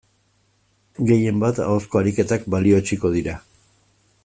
Gehien bat ahozko ariketak balioetsiko dira.